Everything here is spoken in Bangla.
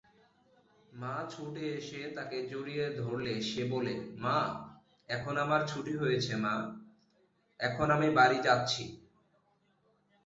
মা ছুটে এসে তাকে জড়িয়ে ধরলে সে বলে, "মা, এখন আমার ছুটি হয়েছে মা, এখন আমি বাড়ি যাচ্ছি।"